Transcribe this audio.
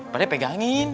pak de pegangin